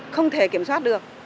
không thể kiểm soát được